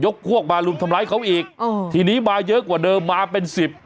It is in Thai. พวกมารุมทำร้ายเขาอีกอ๋อทีนี้มาเยอะกว่าเดิมมาเป็นสิบ